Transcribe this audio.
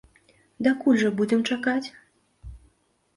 Дакуль жа будзем чакаць?